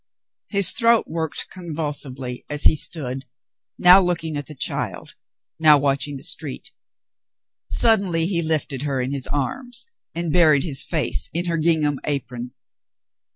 His throat worked convulsively as he stood, now looking at the child, now watching the street. Suddenly he lifted her in his arms and buried his face in her gingham apron.